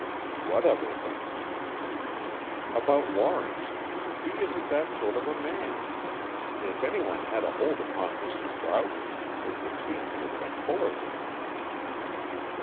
"What other things?" "About Lawrence. He isn't that sort of a man. If anyone had a hold upon Mrs. Broughton, it would seem to have been Fullerton."